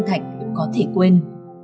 như văn thạch có thể quên